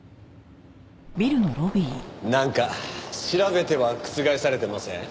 なんか調べては覆されてません？